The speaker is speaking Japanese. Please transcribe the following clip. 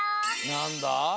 なんだ？